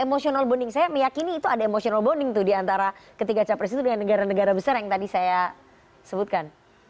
emosional bonding saya meyakini itu ada emosional bonding diantara ketiga capres itu dengan negara negara besar yang tadi saya sebutkan